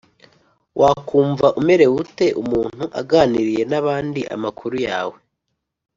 Wakumva umerewe ute umuntu aganiriye nabandi amakuru yawe